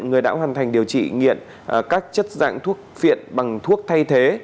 người đã hoàn thành điều trị nghiện các chất dạng thuốc phiện bằng thuốc thay thế